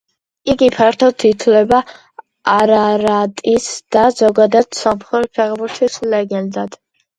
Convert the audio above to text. იგი ფართოდ ითვლება არარატის და ზოგადად სომხური ფეხბურთის ლეგენდად.